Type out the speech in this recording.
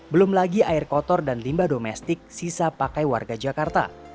belum lagi air kotor dan limbah domestik sisa pakai warga jakarta